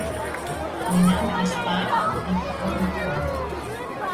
Myn namme is Pavel, ik kom út Poalen.